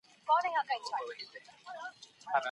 علمي څېړني تر اټکلونو کره دي.